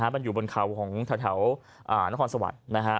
มันอยู่บนเขาของแถวนครสวรรค์นะฮะ